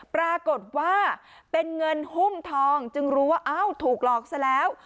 ปรากฏว่าเป็นเงินหุ้มทองจึงรู้ว่าอ้าวถูกหลอกซะแล้ว